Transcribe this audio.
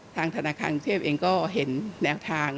ทางธนาคารเชียบเองก็เห็นแนวทาง